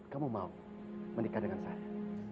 kamu mau menikah dengan saya